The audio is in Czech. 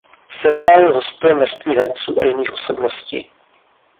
V seriálu hostuje množství herců a jiných osobností.